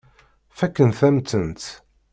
Fakkent-am-tent.